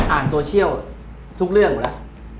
อ่านโซเชียลทุกเรื่องอยู่แล้ว